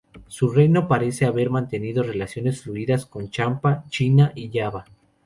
Su reino parece haber mantenido relaciones fluidas con Champa, China y Java.